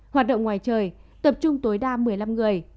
hoạt động ngoài trời tập trung tối đa một mươi năm người